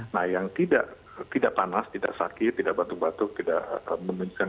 nah yang tidak panas tidak sakit tidak batuk batuk tidak membencing